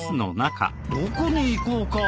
どこに行こうか？